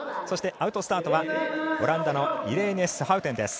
そしてアウトスタートはオランダのイレーネ・スハウテン。